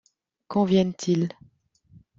Quand viennent-ils ?